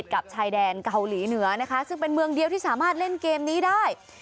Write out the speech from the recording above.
กับชายแดนเกาหลีเหนือนะคะซึ่งเป็นเมืองเดียวที่สามารถเล่นเกมนี้ได้